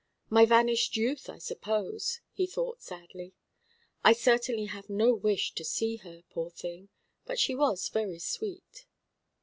"My vanished youth, I suppose," he thought sadly. "I certainly have no wish to see her, poor thing! But she was very sweet."